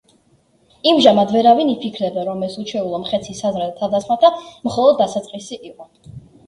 იმჟამად ვერავინ იფიქრებდა, რომ ეს უჩვეულო მხეცის საზარელ თავდასხმათა მხოლოდ დასაწყისი იყო.